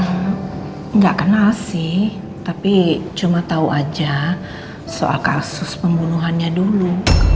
hmm enggak kenal sih tapi cuma tau aja soal kasus pembunuhannya dulu